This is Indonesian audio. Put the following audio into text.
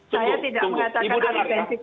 saya tidak mengatakan arogansi kekuasaan